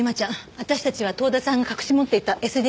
私たちは遠田さんが隠し持っていたＳＤ